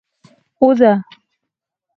اوزه؟